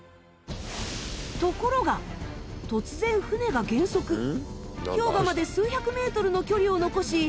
ところが氷河まで数百メートルの距離を残し。